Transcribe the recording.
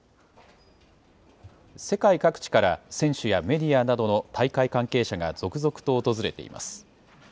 世界各地から選手やメディアなどの大会関係者が続々と訪れています。